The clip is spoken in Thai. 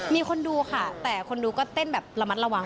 มีคนดูค่ะแต่คนดูก็เต้นแบบระมัดระวัง